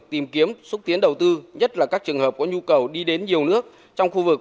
tìm kiếm xúc tiến đầu tư nhất là các trường hợp có nhu cầu đi đến nhiều nước trong khu vực